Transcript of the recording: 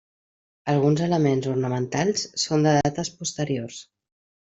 Alguns elements ornamentals són de dates posteriors.